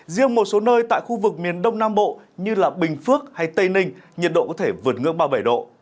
riêng một số nơi tại khu vực miền đông nam bộ như bình phước hay tây ninh nhiệt độ có thể vượt ngưỡng ba mươi bảy độ